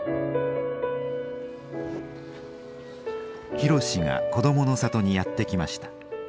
博が「こどもの里」にやって来ました。